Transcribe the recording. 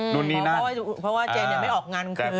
เพราะว่าเจนเนี่ยไม่ได้ออกงานตรงคืน